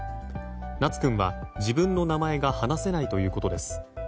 名都君は自分の名前が話せないということです。